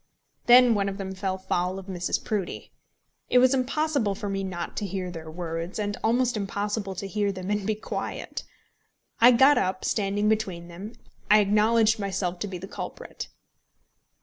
Then one of them fell foul of Mrs. Proudie. It was impossible for me not to hear their words, and almost impossible to hear them and be quiet. I got up, and standing between them, I acknowledged myself to be the culprit.